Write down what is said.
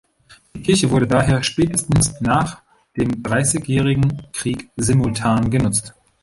Die Kirche wurde daher spätestens nach dem Dreißigjährigen Krieg simultan genutzt.